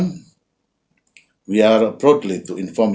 kami bersyukur untuk memberi informasi